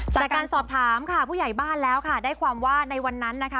จากการสอบถามค่ะผู้ใหญ่บ้านแล้วค่ะได้ความว่าในวันนั้นนะคะ